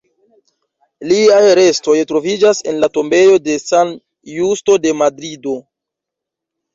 Liaj restoj troviĝas en la tombejo de San Justo de Madrido.